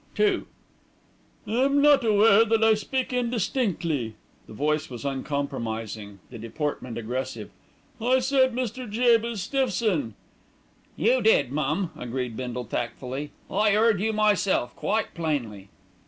II "I'm not aware that I speak indistinctly." The voice was uncompromising, the deportment aggressive. "I said 'Mr. Jabez Stiffson.'" "You did, mum," agreed Bindle tactfully; "I 'eard you myself quite plainly."